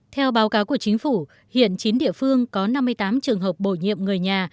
theo báo cáo của chính phủ hiện chín địa phương có năm mươi tám trường hợp bổ nhiệm người nhà